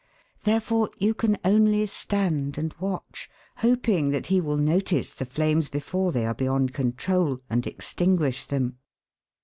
Therefore you can only stand and watch, hoping that he will notice the flames before they are beyond control, and extinguish them.